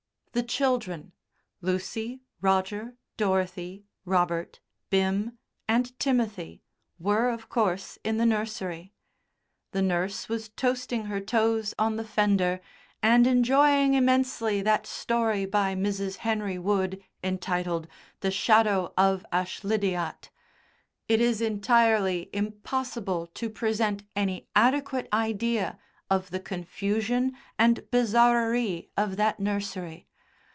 The children Lucy, Roger, Dorothy, Robert, Bim, and Timothy were, of course, in the nursery. The nurse was toasting her toes on the fender and enjoying immensely that story by Mrs. Henry Wood, entitled "The Shadow of Ashlydyat." It is entirely impossible to present any adequate idea of the confusion and bizarrerie of that nursery.